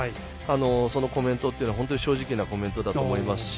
そのコメントは本当に正直なコメントだと思います。